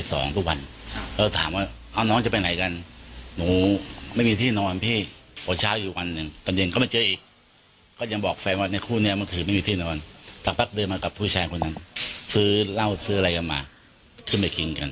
ซักวันซักวันใกล้เย็นก็มาเจออีกก็ยังบอกแฟนว่าในครู่นี้มันถือไม่มีที่นอนเถอะป้ะเค้าเดินมันกับผู้ชายแม่ซื้อเหล้าซึ้ออะไรอีกมาขึ้นไปกินกัน